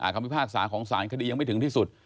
พิพากษาของสารคดียังไม่ถึงที่สุด